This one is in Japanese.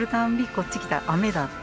こっち来たら雨だって。